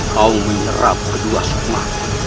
kau menyerap kedua sukmama